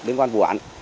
đến quan vụ án